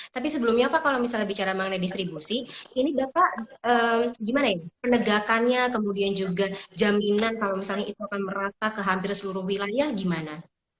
tapi sebelumnya pak kalau misalnya bicara mengenai distribusi ini bapak gimana ya penegakannya kemudian juga jaminan kalau misalnya itu akan merata ke hampir seluruh wilayah gimana